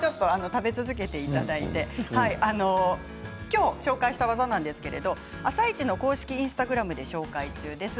食べ続けていただいて今日紹介した技なんですが「あさイチ」の公式インスタグラムで紹介中です。